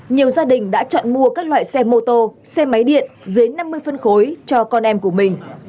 nhiều gia đình đã chọn mua các loại xe mô tô xe máy điện dưới năm mươi phân khối cho con em của mình